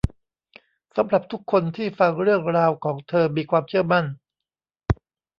สำหรับทุกคนที่ฟังเรื่องราวของเธอมีความเชื่อมั่น